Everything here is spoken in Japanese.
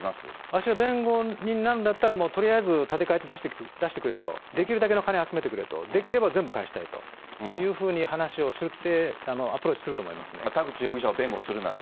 私が弁護人なんだったら、立て替えて出してくれと、できるだけのお金集めてくれと、できれば全部返したいというふうに話をしてアプローチすると思い田口容疑者を弁護するなら。